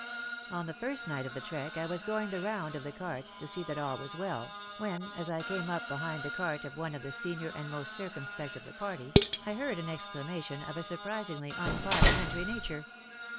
On the first night of the trek I was going the round of the carts, to see that all was well, when, as I came up behind the cart of one of the senior and most circumspect of the party, I heard an exclamation of a surpris ingly unparliamentary nature.